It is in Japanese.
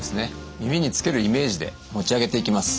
耳につけるイメージで持ち上げていきます。